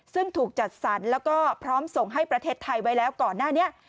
ซึ่งถูกจัดสรรแล้วก็พร้อมส่งให้ประเทศไทยไว้แล้วก่อนหน้านี้